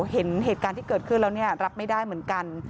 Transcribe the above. เห็นเหตุการณ์ที่เกิดขึ้นแล้วรับไม่ได้เหมือนกัน